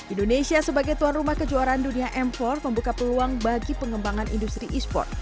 indonesia sebagai tuan rumah kejuaraan dunia m empat membuka peluang bagi pengembangan industri e sport